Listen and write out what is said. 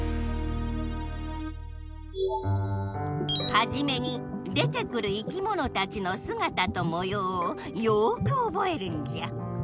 はじめに出てくるいきものたちのすがたともようをよくおぼえるんじゃ。